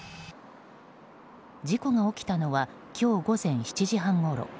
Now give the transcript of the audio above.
事故が起きたのは今日午前７時半ごろ。